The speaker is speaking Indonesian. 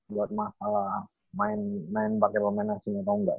buat masalah main pake pemain asing atau enggak